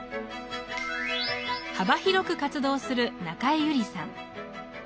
幅広く活動する中江有里さん。